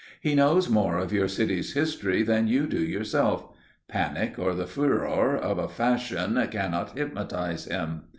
He knows more of your city's history than you do yourself; panic or the furor of a fashion cannot hypnotize him.